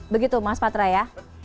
begitu mas patra ya